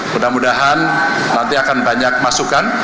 mudah mudahan nanti akan banyak masukan